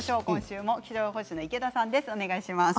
気象予報士の池田さんです。